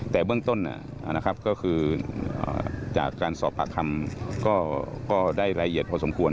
แต่เบื้องต้นก็คือจากการสอบปากคำก็ได้ละเอียดพอสมควร